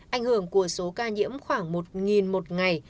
ảnh hưởng của số ca nhiễm khoảng một một ngày